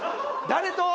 誰と？